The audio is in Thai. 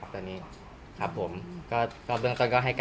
ครับชุดจับกรุงบอกว่าเรารวมกลุ่มกันช่วยหนีด้วยครับ